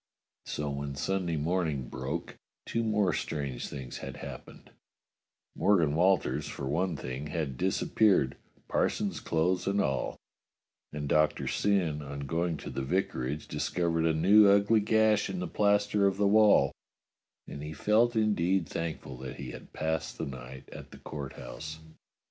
So when Sunday morning broke, two more strange things had happened : Morgan Walters, for one thing, had disappeared, parson's clothes and all, and Doctor Syn, on going to the vicarage, discovered a new ugly gash in the plaster of the wall, and he felt indeed thank ful that he had passed the night at the Court House.